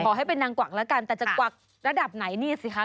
ให้เป็นนางกวักแล้วกันแต่จะกวักระดับไหนนี่สิคะ